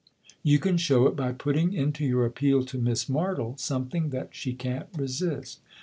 You can show it by putting into your appeal to Miss Martle something that she can't resist."